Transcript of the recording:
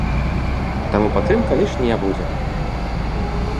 Таму падтрымка лішняй не будзе.